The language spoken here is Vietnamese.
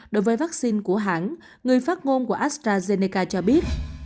đối với vaccine của hãng người phát ngôn của astrazeneca cho biết